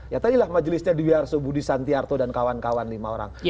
ya tadilah majelisnya dwi arsu budi santiarto dan kawan kawan lima orang